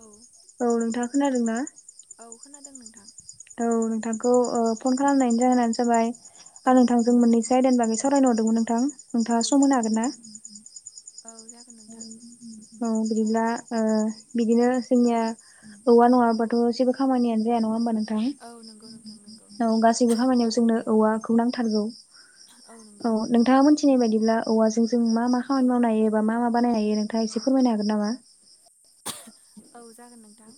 औ औ नोंथाङा खोनादों ना? औ खोनादों नोंथां औ नोंथांखौ ओ फन खालामनायनि जाहोनानो जाबाय आं औ नोंथांजों मोननैसै आयदानि बागै सावरायनो हरदोंमोन नोंथां औ नोंथाङा सम होनो जागोन हागोन ना? नोंथां औ जागोन नोंथां औ बिदिब्ला ओ बिदिनो औ जोंनिया औवा नङाब्लाथ' जेबो खामानिनो जाया नङा होमबा नों थां औ नंगौ नोंथां नंगौ औ गासैबो औ खामानियाव जोंनो औवाखौ नांथारगौ औ नंगौ नोंथाङा मोनथिनाय बायदिब्ला औवाजों जों मा मा औ खामानि मावनो हायो एबा मा मा बानायनो हायो नोंथाङा एसे फोरमायनो हागोन नामा? औ जागोन नोंथां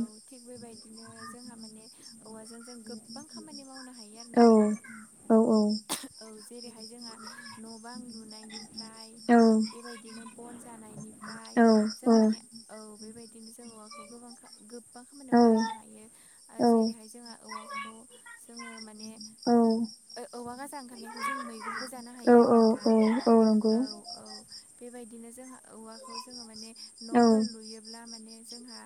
औ थिग बेबायदिनो जोंहा माने औवाजों जों गोबां खामानि मावनो हायो आरो औ नोंथां औ औ औ जेरैहाय जोंहा न' बां लुनायनिफ्राय औ बेबायदिनो बन जानायनिफ्राय औ जों माने औ बेबाय दिनो जों औवाखौ गोबां गोबां खामानियाव बाहायनो हायो औ जेरैहाय जोंहा औवाखौ जोङो माने औ औवा गाजा ओंखारनायखौ जों मैगंबो जानो औ हायो आरो नोंथां नंगौ औ औ बेबायदिनो जोंहा औवाखौ जोङो माने औ न'फोर लुयोब्ला माने जोंहा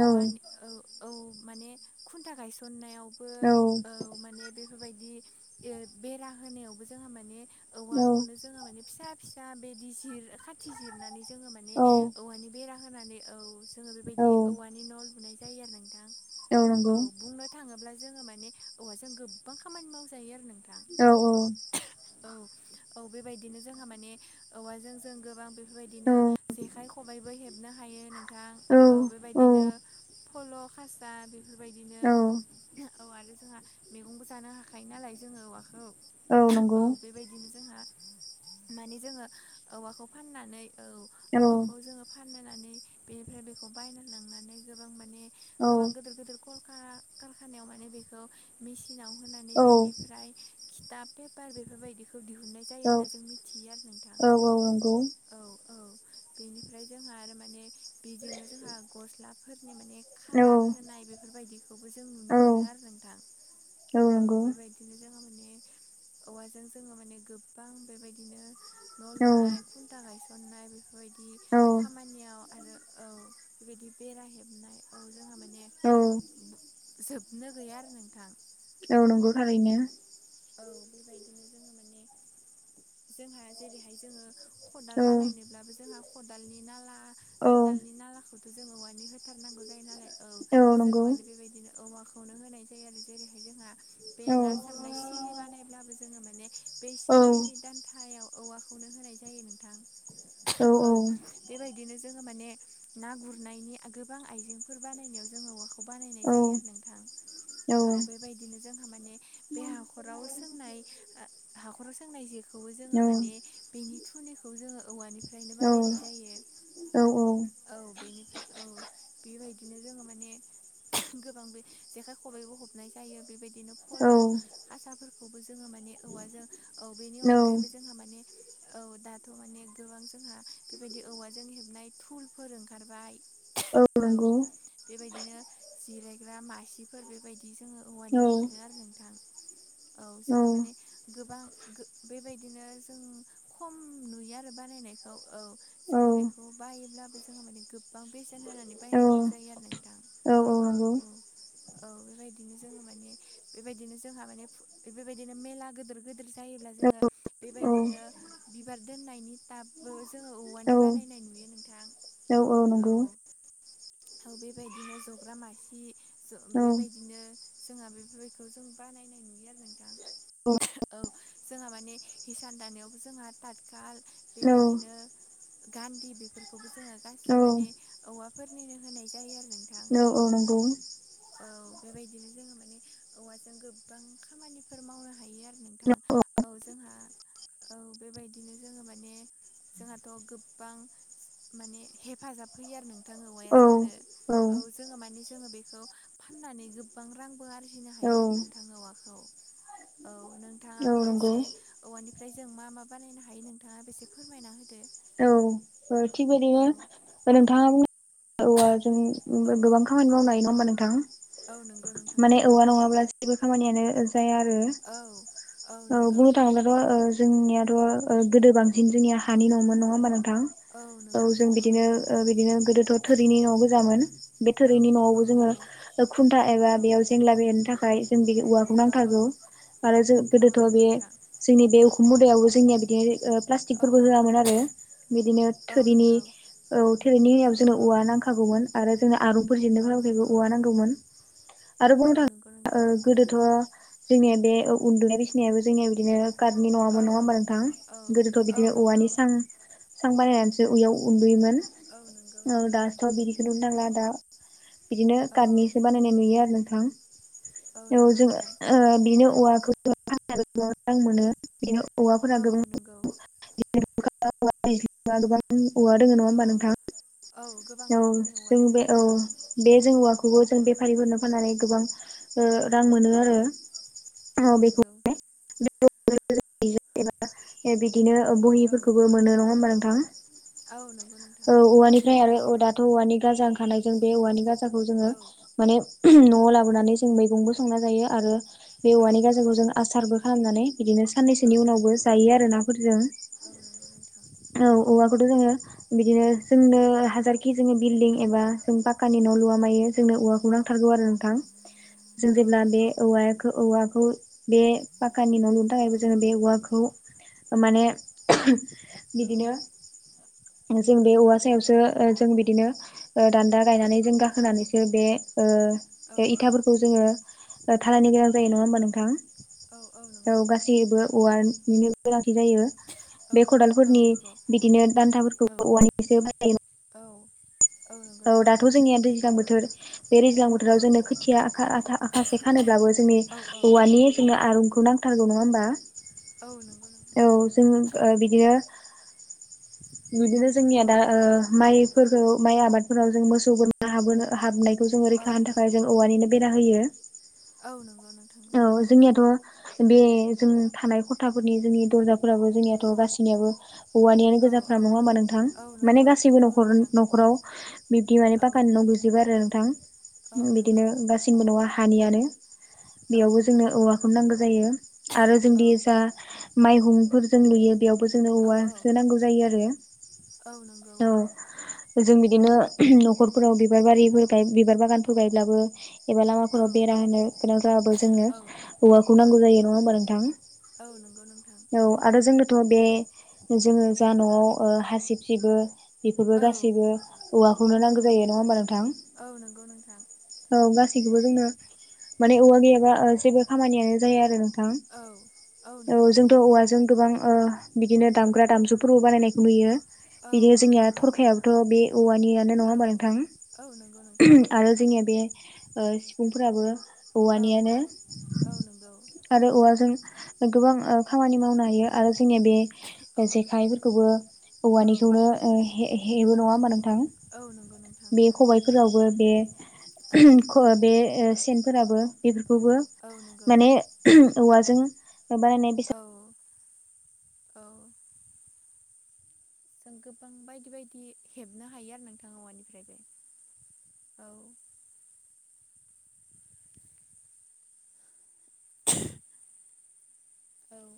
औ औ औ माने खुन्था गायसननायाव औ माने बेफोरबायदि बेरा होनायावबो जोंहा माने औ औवाखौनो जोङो माने फिसा फिसा बिदि जिर खाथि जिरनानै जोङो माने औ औवानि बेरा होनानै औ जोङो बेबायदि औवानि न' लुनाय जायो आरो नोंथां औ नंगौ बुंनो थाङोब्ला जोङो माने औवाजों गोबां खामानि मावजायो आरो नोंथां औ औ औ औ बेबायदिनो जोंहा माने औवाजों जों गोबां बे बेबायदिनो जेखाय खबाइबो हेबनो हायो नोंथां औ बेबाय दिनो फल खासा बेफोरबायदिनो औ आरो जोंहा मैगंबो जानो हाखायो नालाय जोङो औवाखौ औ बेबायदिनो जोंहा माने जोङो औवाखौ फाननानै औ औ नंगौ औ औवाखौ जोङो फाननानै बेनिफ्राय बेखौ बायना लांनानै गोबां माने गोबां गिदिर गिदिर कल कारखानायाव माने बेखौ मेसिनाव होनानै औ बेनि फ्राय खिथाब पेपार बेफोरबायदि खौ दिहुननाय जायो औ होनना जों मिथियो आरो नोंथां औ औ बेनिफ्राय जोंहा आरो माने बेजोंनो जोंहा गस्ला फोरनि माने खाालार होनाय बेफोरबायदिखौबो जों नुनो मोनो आरो नोंथां औ नंगौ बिदिनो जोङो माने औवाजों जोङो माने गोबां बेबायदिनो न' लुनाय खुन्था गायसननाय बेफोरबायदि खामानियाव आरो औ बेबायदि बेरा हेबनाय औ जोंहा माने बु जोबनो गैया आरो नोंथां औ नंगौ थारैनो औ बेबायदिनो जोङो माने जोंहा जेरैहाय जोङो खदाल औ बानायनोब्लाबो जोंहा खदालनि नाला औ खदालनि नालाखौथ जों औवानि होथारनांगौ जायो नालाय औ जोङो मानिे बेबायदिनो औवाखौनो होनाय जायो आरो जेरैहाय जोंहा बे औ ना सारनाय सि सिलि बानायब्लाबो जोङो माने बे औ सिलिनि दानथायाव औवाखौनो होनाय जायो नोंथां औ बेबायदिनो जोङो माने ना गुरनायनि गोबां आइजेंफोर बानायनायाव जोङो औवाखौ बानायनाय जायो आरो नोंथां औ बेबायदिनो जोंहा माने हा खराव सोंनाय हाखराव सोंनाय जेखौबो जोङो माने बेनि थुुनिखौ जोङो औवानिफ्रायनो बानायनाय जायो औ औ बेनिफ्राय औ बेबायदिनो जोङो माने गोबां बे जेखाइ खबाइबो हबनाय जायो बेबायदि बिदिनो औ फल औ खासाफोरखौबो जोङो माने औवाजों औ बेनि औ अनगायैबो जोंहा माने औ दाथ माने गोबां जोंहा बेबायदि औवाजों हेबनाय थुलफोर ओंखारबाय औ बेबायदिनो जिरायग्रा मासिफोर बेबायदि जोङो औ औवानि मोनो आरो नोंथां औ जोङो माने गोबां गो बेबायदिनो जों खम नुयो आरो बानायनायखौ औ औ जोङो बेखौ बायोब्लाबो जोङो माने गोबां बेसेन होनानै औ बायनांगौ जायो आरो नोंथां औ औ नंगौ औ बेबायदिनो जोङो माने बेबायदिनो जोंहा माने बेबायदिनो मेला गोदोर गोदोर जायोब्ला जोङो औ बेबायदिनो बिबार दोननायनि टाबबो जोंङो औ औवानि बानायनाय नुयो नोंथां औ औ नंगौ औ बेबायदिनो जग्रा मासि औ औ बेबायदिनो जोंहा बेफोरखौ जों बानायनाय नुयो आरो नोंथां औ औ जोंहा माने हिसान दानायावबो जोंहा ताथखाल बेबायदिनो गान्दि बेफोरखौबो जोंङो गासै औ माने औवाफोरनिनो होनाय जायो आरो नोंथां औ औ नंगौ औ बेबायदिनो जोंङो माने औवाजों गोबां खामानिफोर मावनो हायो आरो नोंथां औ जोंहा औ बेबायदिनो जोंङो माने जोंहाथ' गोबां माने हेफाजाब होयो आरो नोंथां औवाया जोंनो औ औ औ जोंङो मानिे जोंङो बेखौ फाननानै गोबां रांबो आरजिनो हायो आरो नोंथां औवाखौ औ नों औ नोंथांङाबो नंगौ एसे औवानिफ्राय जों मा मा बानायनो हायो नोंथांङा बेसे फोरमायना होदो औ थिग बिदिनो औ नोंथांङा औ जों औ औ गोबां खामानि मावनो हायो नंङा होमबा नोंथां औ नंगौ नोंथां माने नंगौ औवा नंङाब्ला जेबो खामानियानो जाया आरो औ औ अ नंगौ बुंनो थांङोब्लाथ जोंनियाथ' गोदो बांसिन जोंनिया औ हानि नंङामोन नंङा होमबा नोंथां औ नंगौ जों नोंथां बिदिनो नंगौ बिदिनो गोदोथ' थोरिनि न'आव गोजामोन बे औ थोरिनि औ न'आवबो जोंङो नंगौ खुन्था एबा औ बेयाव जेंला बेरनो थाखाय जों बे औवाखौ औ नांथारगौ औ आरो जों औ गोदोथ' नंगौ बे नोंथां जोंनि बे उखुम मुदायावबो जोंनिया बिदिनो औ औ प्लास्टिकफोरबो होआमोन आरो बिदिनो औ थोरिनि नंगौ औ थोरिनि औ होनायाव जों नंगौ औवा नांखागौमोन आरो जोंनो आरुफोर औ जेननोबोखौ नंगौ औवा नांगौमोन आरो औ बुंनो नंगौ थांङोब्ला नोंथां गोदोथ' जोंनिया बे उन्दुनाय बिसनायाबो जोंनिया बिदिनो कार्डनि औ नङामोन नङा औ होमबा नोंथां औ गोदोथ' औ बिदिनो नंगौ औवानि स सां बानायनानै उयाव उन्दुयोमोन औ नंगौ नोंथां दथ' बिदिखौ नुनो नांला दा बिदिनो औ कार्डनिसो बानायनाय नुयो आरो नोंथां औ नंगौ जोंङो नोंथां बेनो औवाखौ [unintelligible] मोजां मोनो बेनो औवाफोरा औ गोबां नंगौ [unintelligible] ओ औवा दोंङो नंङा औ होनोमबा औ नोंथां औ गोबां औ रोखोमनि औवा जों दोङो बे औ नोंथां बे जों औवाखौबो जों बेफारिफोरनो फाननानै गोबां रां मोनो औ औ आरो बेखौ नंगौ [unintelligible] बिदिनो औ बहिफोरखौबो मोनो नंङा होमबा नोंथां। औ नंगौ नोंथां औ औवानिफ्राय आरो दाथ' औवानि गाजा ओंखानायजों बे औवानि गा जाखौ जोंङो औ माने औ न'आव लाबोनानै जों मैगंबो संना जायो आरो बे औ औवानि नंगौ गाजांखौ जों आसारबो खालामनानै बिदिनो साननैसोनि उनावबो जायो आरो नाफोरजों गाब नंगौ नोंथां औ औवाखौथ' जोंङो। बिदिनो जोंनो हाजारखि जोंङो बिल्डिं एबा जों पाक्कानि न' लुवा मायो औ जोंनो औवाखौ नां थारगौ आरो नोंथां जों औ जेब्ला बे नंगौ औवाया औवाखौ बे पाकानि न' लुनो औ थाखायबो जोङो बे औवाखौ माने औ बिदिनो जों बे औवा सायावसो जों बिदिनो दान्दा औ गायनानै जों गाखो गाखोनो बे औ ओ खौ जोंङो थालायनो गोनां जायो नंङा होमबा नोंथां औ नंगौ औ नोंथां गासैबो औवानिनो गोनांथि जायो औ बे खदाल औ फोरनि नंगौ बिदिनो दान्थाफोरखौ औ औवानिसो बाहाय औ नंगौ औ नोंथां दाथ' जोंनिया दैज्लां बोथोर बे दैज्लां बोथोराव औ जोंनो खोथिया आखा आखासे खानोब्लाबो जोंनि औ औ औवानि जोंनो आरुंखौ नांथारगौ नङा होमबा? औ नंगौ नंगौ औ जों बिदिनो बिदिनो जोंनिया दा माइफोरखौ माइ आबादफोराव जों मोसौ गोरा हाबोनो हाबनाय खौ जोङो रैखा औ होनो थाखाय जों औवानिनो बेरा होयो औ नंगौ नोंथां। औ नंगौ जोंनियाथ' बे जों थानाय ख खथाफोरनि जोंनि दरजाफोराबो जोंनियाथ' औ गाससिनियाबो औवानियानो औ गोजाफ औ नङा हामा नोंथां औ माने नंगौ गासैबो नंगौ नखर नोंथां न'खराव बिब्दि माने औ पाकानि नं गैजोबा आरो नोंथां। औ नंगौ बिदिनो गासिनबो न'आ हानियानो औ बेयावबो नंगौ जोंनो औवाखौनो नांगौ जायो आरो औ जोंदि जा माइहंफोरजों लुयो बेयावबो जोंनो औ औ औवासो नांगौ जायो आरो औ नंगौ औ। जों बिदिनो न'खरफोराव बिबार बारिफोर बिबार बागानफोर गायब्लाबो। एबा औ लामाफोराव बेरा होनो गोनां जा जोंनो औ औवाखौ औ नांगौ जायो नङा होनबा औ नंगौ नोंथां नोंथां औ आरो जोंनोथ' बे जोङो जा न'आव हासिब सिबो बेफोरबो औ गासैबो औवाखौनो औ नांगौ जायो नङा होमबा नोंथां औ नंगौ नोंथां औ गासैखौबो जोंनो माने औवा गैयाबा जेबो खामानियानो जाया आरो नों थां औ औ नंगौ जोंथ' नोंथां औवाजों गोबां बिदिनो दामग्रा दामजुफोरबो बानायनायखौ नुयो औ बिदिनो औ जोंनिया नंगौ थरखाया थ' बे औवानियानो नङा औ होमबा नोंथां औ नंगौ नोंथां आरो जोंनिया बे सिफुंफोराबो औ औवानियानो औ नंगौ आरो औवाजों गोबां खामानि मावनो हायो आरो जोंनि बे। औ जेखाइफोरखौबो औ औवानिखौनो हे हेबो नङा होमबा नोंथां औ नंगौ नोंथां। बे खबायफोरावबो बे औ बे सेनफोराबो बेफोरखौबो औ नंगौ माने औवाजों बानायनाय बेसा औ औ जों गोबां बायदि बायदि हेबनो हायो आरो नोंथां औवानिफ्रायबो औ। औ